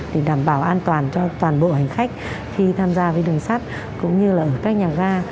để đảm bảo an toàn cho toàn bộ hành khách khi tham gia với đường sắt cũng như là ở các nhà ga